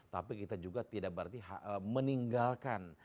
tapi kita juga tidak berarti meninggalkan